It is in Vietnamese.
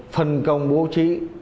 phân công bố trí